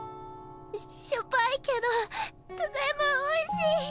しょっぱいケドとてもおいしい。